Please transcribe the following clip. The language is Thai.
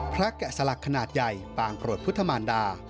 แกะสลักขนาดใหญ่ปางกรดพุทธมารดา